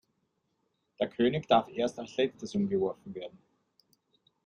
Der König darf erst als letztes umgeworfen werden.